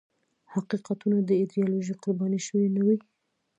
حقیقتونه د ایدیالوژیو قرباني شوي نه وي.